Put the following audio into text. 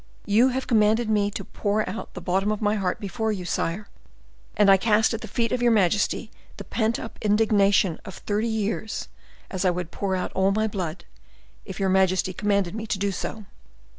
You have commanded me, to pour out the bottom of my heart before you, sire, and I cast at the feet of your majesty the pent up indignation of thirty years, as I would pour out all my blood, if your majesty commanded me to do so."